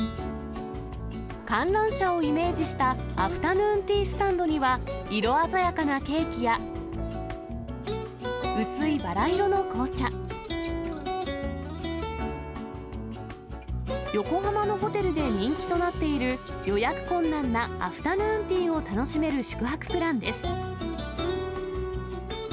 観覧車をイメージしたアフタヌーンティースタンドには色鮮やかなケーキや、薄いバラ色の紅茶、横浜のホテルで人気となっている、予約困難なアフタヌーンティーを楽しめる宿泊プランです。